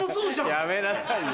やめなさいよ。